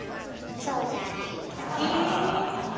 そうじゃないんですね。